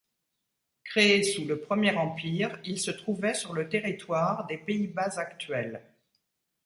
Créé sous le Premier Empire, il se trouvait sur le territoire des Pays-Bas actuels.